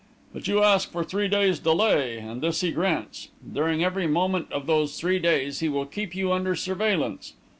"But you ask for three days' delay, and this he grants. During every moment of those three days, he will keep you under surveillance.